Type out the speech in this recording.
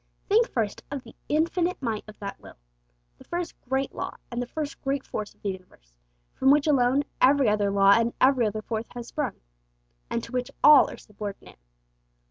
Think first of the infinite might of that will; the first great law and the first great force of the universe, from which alone every other law and every other force has sprung, and to which all are subordinate.